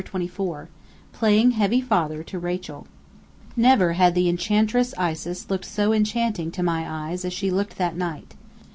CHAPTER XXIV PLAYING HEAVY FATHER TO RACHEL Never had the Enchantress Isis looked so enchanting to my eyes as she looked that night.